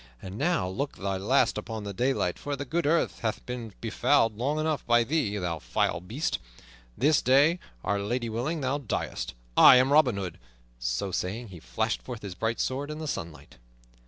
And now look thy last upon the daylight, for the good earth hath been befouled long enough by thee, thou vile beast! This day, Our Lady willing, thou diest I am Robin Hood." So saying, he flashed forth his bright sword in the sunlight.